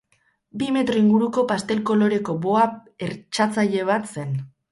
Bi metro inguruko pastel koloreko boa hertsatzaile bat zen.